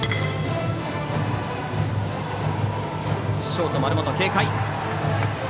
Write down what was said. ショート、丸本、軽快。